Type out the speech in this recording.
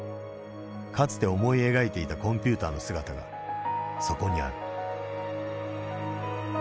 かつて思い描いていたコンピューターの姿がそこにある。